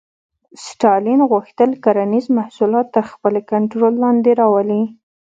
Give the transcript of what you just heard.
ستالین غوښتل کرنیز محصولات تر خپل کنټرول لاندې راولي